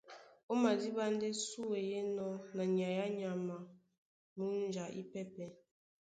Ó madíɓá ndé súe í enɔ́ na nyay á nyama a múnja ípɛ́pɛ̄.